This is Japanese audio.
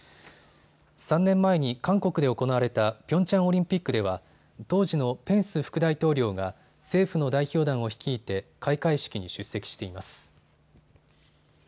３年前に韓国で行われたピョンチャンオリンピックでは当時のペンス副大統領が政府の代表団を率いて開会式に出席しています。